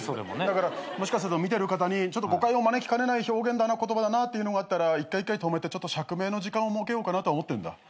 だからもしかすると見てる方にちょっと誤解を招きかねない表現だな言葉だなっていうのがあったら一回一回止めてちょっと釈明の時間を設けようかなとは思ってるんだ。